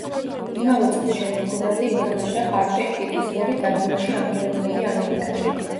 იმავე წლის შემოდგომაზე ითამაშა ჰარპერ პიტის როლი დადგმაში „ანგელოზები ამერიკაში“.